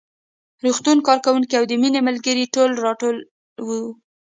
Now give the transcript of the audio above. روغتون کارکوونکي او د مينې ملګرې ټولې راټولې وې